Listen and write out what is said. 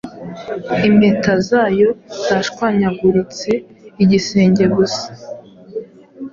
Impeta zayo zashwanyaguritse igisenge gusa